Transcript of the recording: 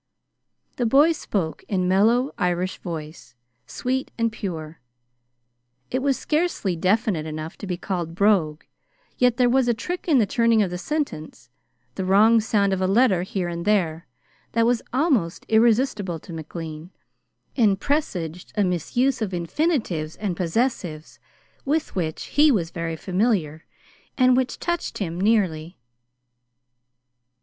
The boy spoke in a mellow Irish voice, sweet and pure. It was scarcely definite enough to be called brogue, yet there was a trick in the turning of the sentence, the wrong sound of a letter here and there, that was almost irresistible to McLean, and presaged a misuse of infinitives and possessives with which he was very familiar and which touched him nearly.